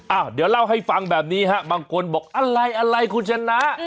อ่ะเดี๋ยวเล่าให้ฟังแบบนี้ฮะบางคนบอกอะไรอะไรคุณชนะ